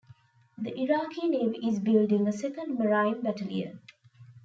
The Iraqi Navy is building a second Marine battalion.